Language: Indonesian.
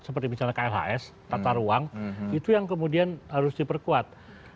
seperti misalnya klhs tata ruang itu yang kemudian harus diperkuat